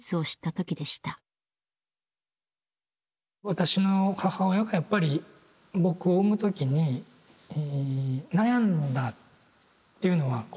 私の母親がやっぱり僕を産む時に悩んだっていうのが分かるんですね。